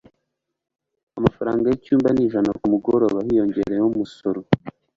Amafaranga yicyumba ni ijana kumugoroba hiyongereyeho umusoro.